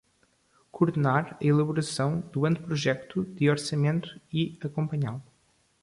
Coordenar a elaboração do anteprojecto de orçamento e acompanhá-lo.